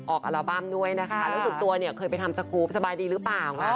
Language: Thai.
ออกอัลบั้มด้วยนะคะรู้สึกตัวเคยไปทำสกูปสบายดีหรือเปล่า